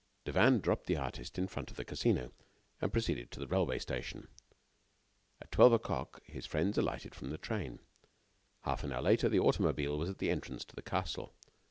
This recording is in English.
Devanne dropped the artist in front of the Casino, and proceeded to the railway station. At twelve o'clock his friends alighted from the train. A half hour later the automobile was at the entrance to the castle.